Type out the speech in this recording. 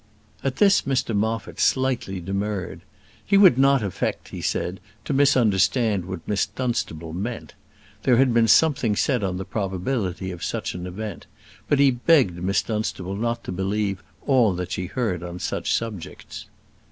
At this Mr Moffat slightly demurred. He would not affect, he said, to misunderstand what Miss Dunstable meant. There had been something said on the probability of such an event; but he begged Miss Dunstable not to believe all that she heard on such subjects.